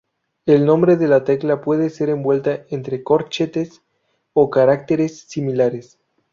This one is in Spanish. El nombre de la tecla puede ser envuelta entre corchetes, o caracteres similares.